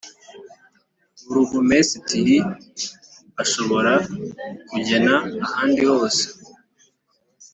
Burugumesitiri ashobora kugena ahandi hose